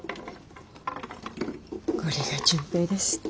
これが純平ですって。